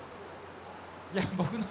いや僕の。